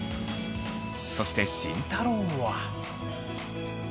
そして慎太郎は。